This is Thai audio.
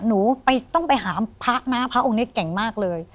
หนูต้องไปหาพระนะพระองค์นี้เก่งมากเลย